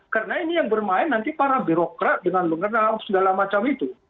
karena ini yang bermain nanti para birokrat dengan mengenal segala macam itu